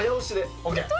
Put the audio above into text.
ＯＫ。